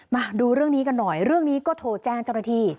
มาดูเรื่องนี้กันหน่อยเรื่องนี้ก็โทรแจ้งเจ้าหน้าที่